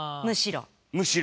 むしろ。